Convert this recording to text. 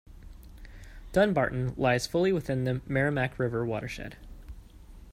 Dunbarton lies fully within the Merrimack River watershed.